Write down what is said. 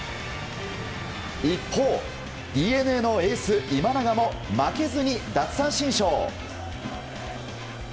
一方、ＤｅＮＡのエース今永も負けずに奪三振ショー。